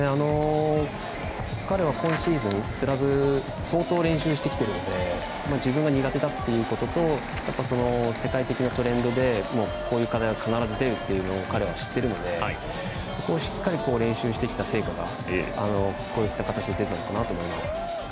彼は、今シーズンスラブ相当練習してきているので自分が苦手だということと世界的なトレンドでこういう課題が必ず出るっていうのは彼は知っているのでそこを、しっかり練習してきた成果がこういった形で出たのかなと思います。